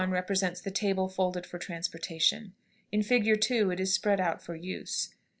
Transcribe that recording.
1 represents the table folded for transportation; in Fig. 2 it is spread out for use.